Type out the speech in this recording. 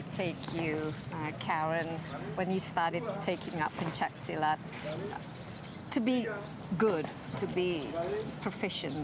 tapi hasilnya seperti hasil dasar